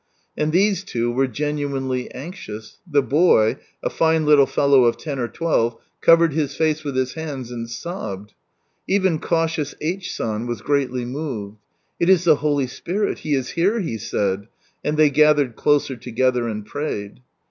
And these two were genuinely anxious, the boy, a fine little fellow of ten or twelve, covered his face with his hands and sobbed. Even cautious H. San was greatly moved. " It is the Holy Spirit, He is here," he said, and they gathered closer together, and prayed.